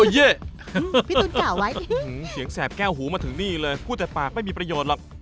เย่พี่ตุ๋นกล่าวไว้เสียงแสบแก้วหูมาถึงนี่เลยพูดแต่ปากไม่มีประโยชน์หรอก